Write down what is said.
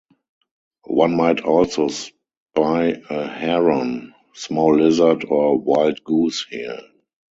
One might also spy a heron, small lizard or wild goose here.